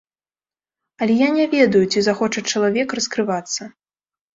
Але я не ведаю, ці захоча чалавек раскрывацца.